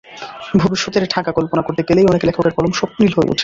ভবিষ্যতের ঢাকা কল্পনা করতে গেলেই অনেক লেখকের কলম স্বপ্নিল হয়ে ওঠে।